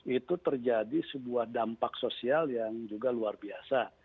itu terjadi sebuah dampak sosial yang juga luar biasa